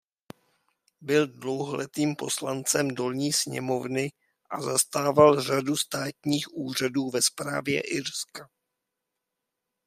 Byl dlouholetým poslancem Dolní sněmovny a zastával řadu státních úřadů ve správě Irska.